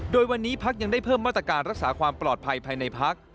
โดยวันนี้พักยังได้เพิ่มมาตรการรักษาความปลอดภัยภายในพัก